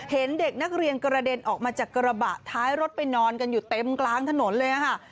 เห็นเด็กนักเรียนกระเด็นออกมาจากกระบะท้ายรถไปนอนกันอยู่เต็มกลางถนนเลยค่ะ